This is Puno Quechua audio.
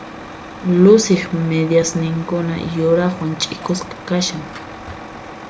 Luciq midiasninkuna yuraqwan ch'ikusqa kashan.